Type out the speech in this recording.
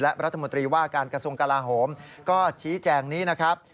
และรัฐมนตรีว่าการกระทรวงกลาโหมก็ชี้แจงนี้นะครับ